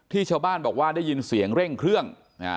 ชาวบ้านบอกว่าได้ยินเสียงเร่งเครื่อง